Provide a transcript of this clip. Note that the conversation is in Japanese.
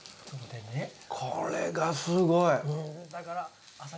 これがすごい！